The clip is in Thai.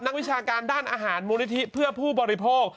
วิชาการด้านอาหารมูลนิธิเพื่อผู้บริโภค